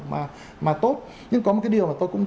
mà tốt nhưng có một cái điều mà tôi